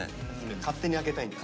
勝手に開けたいんだ。